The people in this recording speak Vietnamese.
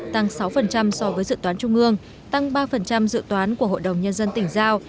tăng sáu so với dự toán trung ương tăng ba dự toán của hội đồng nhân dân tỉnh giao